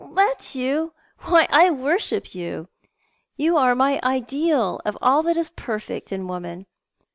" Let you ! Why, I worship you. You are my ideal of all that is perfect in woman.